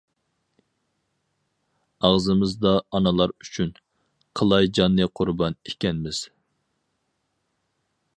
ئاغزىمىزدا ئانىلار ئۈچۈن، «قىلاي جاننى قۇربان» ئىكەنمىز.